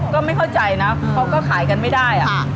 ก็ไม่เข้าใจนะเขาก็ขายกันไม่ได้